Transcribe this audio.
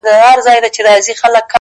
هغه به چيري وي،